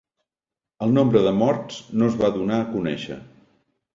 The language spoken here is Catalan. El nombre de morts no es va donar a conèixer.